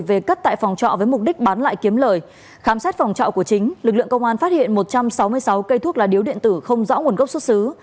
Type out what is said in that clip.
và phát hiện một trăm sáu mươi sáu cây thuốc lá điếu điện tử không rõ nguồn gốc xuất xứ